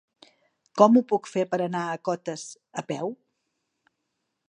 Com ho puc fer per anar a Cotes a peu?